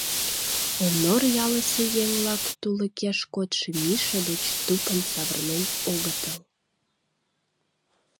Онор ялысе еҥ-влак тулыкеш кодшо Миша деч тупынь савырнен огытыл.